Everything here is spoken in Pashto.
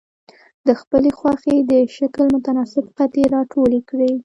د خپلې خوښې د شکل متناسب قطي را ټولې کړئ.